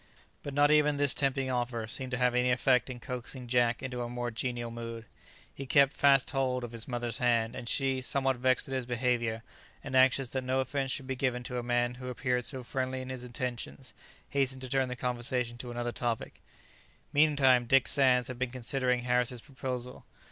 But not even this tempting offer seemed to have any effect in coaxing Jack into a more genial mood. He kept fast hold of his mother's hand, and she, somewhat vexed at his behaviour, and anxious that no offence should be given to a man who appeared so friendly in his intentions, hastened to turn the conversation to another topic. Meantime Dick Sands had been considering Harris's proposal.